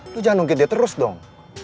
lu jangan nunggu dia terus dong